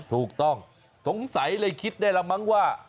ถูกต้องสงสัยเลยคิดได้แล้วมั้งว่า